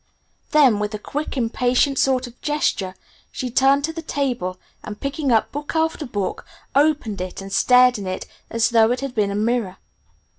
Then with a quick, impatient sort of gesture she turned to the table, and picking up book after book, opened it and stared in it as though it had been a mirror.